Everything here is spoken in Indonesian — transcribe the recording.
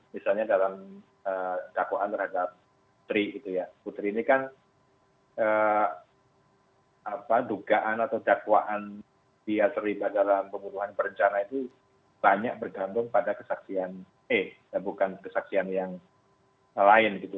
misalnya dalam dakwaan terhadap tri gitu ya putri ini kan dugaan atau dakwaan dia terlibat dalam pembunuhan berencana itu banyak bergantung pada kesaksian e bukan kesaksian yang lain gitu